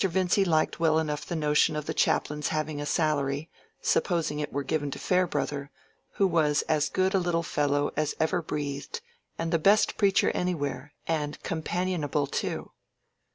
Vincy liked well enough the notion of the chaplain's having a salary, supposing it were given to Farebrother, who was as good a little fellow as ever breathed, and the best preacher anywhere, and companionable too.